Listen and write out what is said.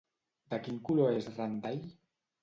De quin color és Randall?